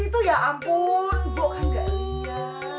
di situ ya ampun mbok kan gak liat